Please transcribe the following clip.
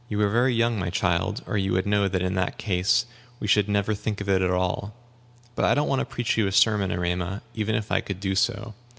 "You are very young, my child, or you would know that in that case we never should think of it at all. But I don't want to preach you a sermon, Erema, even if I could do so.